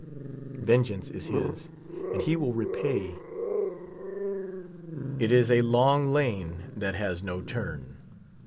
Vengeance 'is his. and he will repay. It is a long lane that has no turn.